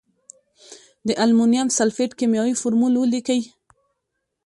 د المونیم سلفیټ کیمیاوي فورمول ولیکئ.